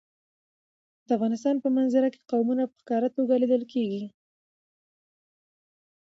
د افغانستان په منظره کې قومونه په ښکاره توګه لیدل کېږي.